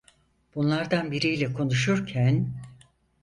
Bunlardan biriyle konuşurken: